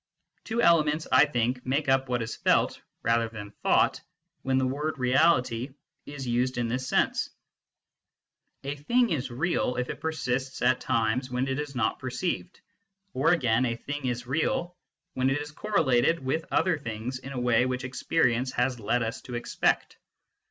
Two elements, I think, make up what is felt rather than thought when the word " reality " is used in this sense. A thing is real if it persists at times when it is not perceived ; or again, a thing is real when it is correlated with other things in a way which experience has led us to expect.